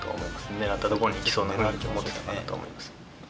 ねらった所に行きそうな雰囲気を持っていたかなと思います。